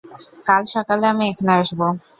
কাল সকালে আমি এখানে আসব।